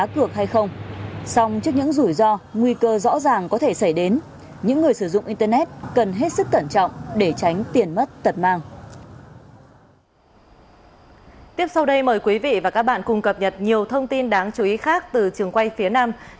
kiếm thảo xin chào trường quay hà nội thưa quý vị và các bạn sáng nay liên hợp hợp tác xã thương mạc tp hcm